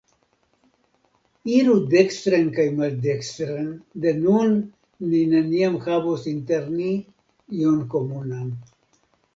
Iru dekstren kaj maldekstren, de nun ni neniam havos inter ni ion komunan.